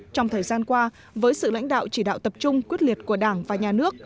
trong thời gian qua với sự lãnh đạo chỉ đạo tập trung quyết liệt của đảng và nhà nước